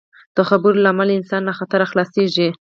د خبرو له امله انسان له خطر خلاصېږي.